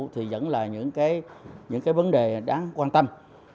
thì vẫn là những cái vấn đề đáng quan tâm